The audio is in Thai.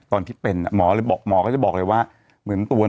ตอนที่เป็นหมอก็จะบอกเลยว่า